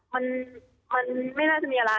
มันมันไม่น่าจะมีอะไร